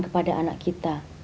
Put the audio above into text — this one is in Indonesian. kepada anak kita